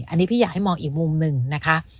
อันนี้พี่อยากให้มองอีกมุมหนึ่งนะคะ